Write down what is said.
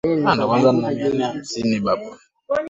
waliojenga nyumba juu ya maboriti yaliyosimamishwa katikati